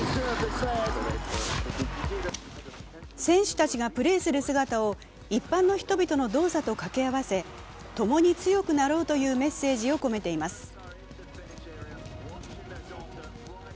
選手たちがプレーする姿を一般の人々の動作と掛け合わせともに強くなろうというメッセージを込めています。